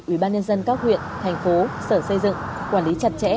ủy ban nhân dân các huyện thành phố sở xây dựng quản lý chặt chẽ